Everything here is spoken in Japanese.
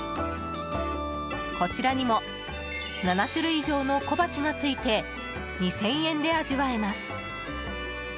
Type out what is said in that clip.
こちらにも７種類以上の小鉢がついて２０００円で味わえます。